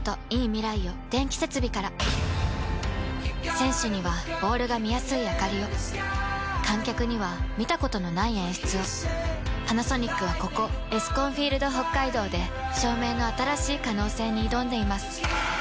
選手にはボールが見やすいあかりを観客には見たことのない演出をパナソニックはここエスコンフィールドＨＯＫＫＡＩＤＯで照明の新しい可能性に挑んでいます